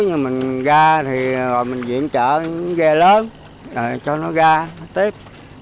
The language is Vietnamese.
nhưng mình ra thì mình viện trợ ghe lớn rồi cho nó ra tiếp